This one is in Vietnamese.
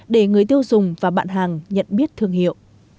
để người tiêu dùng và bạn hàng nhận biết thương hiệu